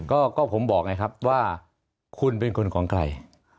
ก็ผมบอกไงครับว่าคุณเป็นคนของใคร